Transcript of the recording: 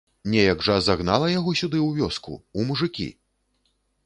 Неяк жа загнала яго сюды ў вёску, у мужыкі?!